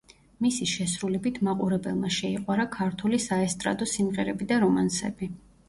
მისი შესრულებით მაყურებელმა შეიყვარა ქართული საესტრადო სიმღერები და რომანსები.